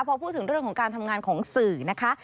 พอพูดถึงเรื่องของการทำงานของสื่อนะคะ